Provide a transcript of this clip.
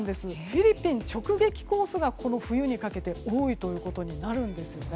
フィリピン直撃コースがこの冬にかけて多いということになるんです。